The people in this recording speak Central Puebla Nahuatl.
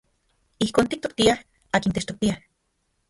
Ijkon tiktoktiaj akin techtoktia.